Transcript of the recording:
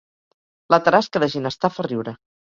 La tarasca de Ginestar fa riure